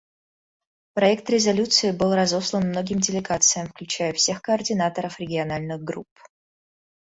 Проект резолюции был разослан многим делегациям, включая всех координаторов региональных групп.